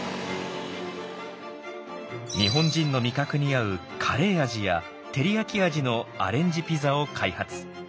日本人の味覚に合うカレー味や照り焼き味のアレンジピザを開発。